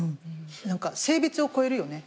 性別を超えるよね。